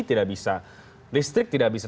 tidak bisa listrik tidak bisa